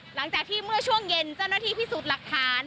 หลังจากที่เมื่อช่วงเย็นเจ้าหน้าที่พิสูจน์หลักฐาน